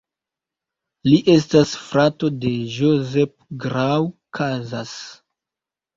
Li estas frato de Josep Grau Casas.